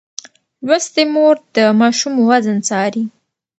لوستې مور د ماشوم وزن څاري.